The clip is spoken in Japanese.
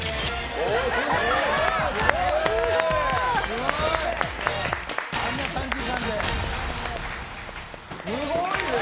すごいね。